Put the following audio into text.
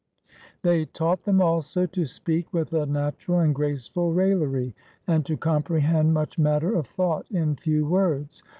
They taught them, also, to speak with a natural and graceful raillery, and to comprehend much matter of thought in few words.